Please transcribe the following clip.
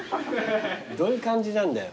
どういう感じなんだよ。